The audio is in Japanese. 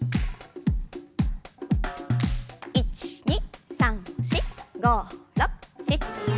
１２３４５６７８。